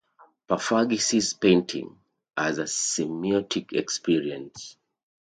Pevernagie sees painting as a "semiotic" experience.